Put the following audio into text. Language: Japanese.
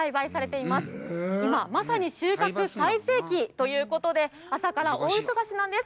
今まさに収穫最盛期ということで朝から大忙しなんです。